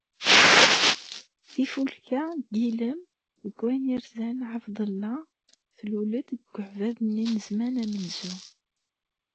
Tifulka n yilem, deg wayen yerzan Ɛebdellah, tlul-d deg uɛbad-nni n zzman amenzu.